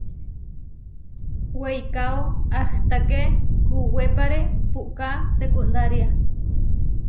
Weikáo ahtaké kuwépare puʼká sekundaria.